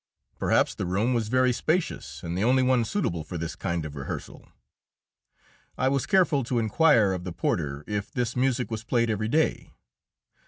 Perhaps the room was very spacious and the only one suitable for this kind of rehearsal. I was careful to inquire of the porter if this music was played every day.